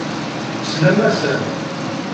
Slan-asen.